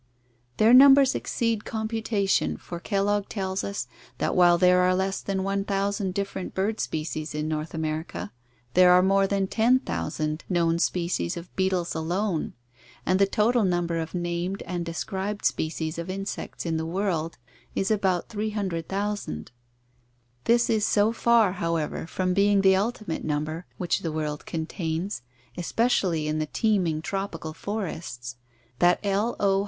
Their numbers exceed computation, for Kellogg tells us that while there are less than iooo different bird species in North Amer ica, there are more than 10,000 known species of beetles alone, and the total number of named and described species of insects in the world is about 300,000. This is so far, however, from being the ultimate number which the world contains, especially in the teem ing tropical forests, that L. O.